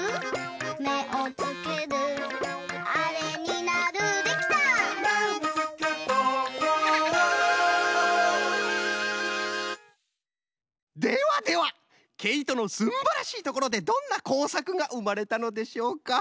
「めをつけるあれになる」「」「めのつけどころ」ではではけいとのすんばらしいところでどんなこうさくがうまれたのでしょうか？